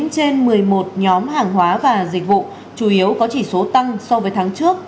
một mươi trên một mươi một nhóm hàng hóa và dịch vụ chủ yếu có chỉ số tăng so với tháng trước